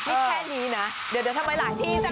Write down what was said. อ่านี่โอ๊ยตายแล้ว